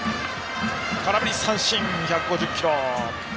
空振り三振、１５０キロ。